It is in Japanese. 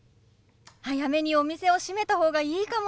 早めにお店を閉めた方がいいかもです。